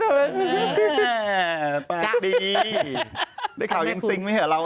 อ่าแปลกดีได้ข่าวยิ่งซิงหรือไม่เหรอเรา